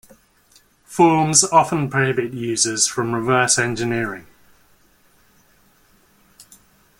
Forms often prohibit users from reverse engineering.